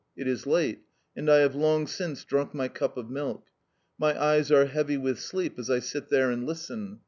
It is late, and I have long since drunk my cup of milk. My eyes are heavy with sleep as I sit there and listen.